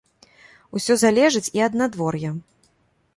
Усё залежыць і ад надвор'я.